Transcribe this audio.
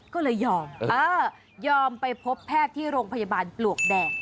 ก็เลยยอมยอมไปพบแพทย์ที่โรงพยาบาลปลวกแดง